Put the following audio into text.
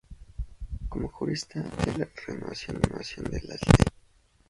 Como jurista, plantea la renovación de las leyes.